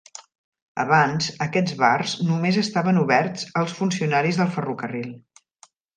Abans, aquests bars només estaven oberts als funcionaris del ferrocarril.